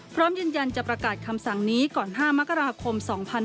พร้อมยืนยันจะประกาศคำสั่งนี้ก่อน๕มกราคม๒๕๕๙